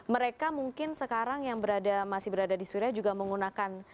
mereka mungkin sekarang yang masih berada di syria juga menggunakan